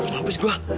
aduh mampus gue